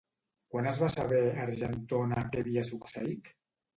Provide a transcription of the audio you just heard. Quan es va saber a Argentona què havia succeït?